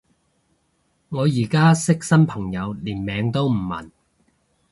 我而家識新朋友連名都唔問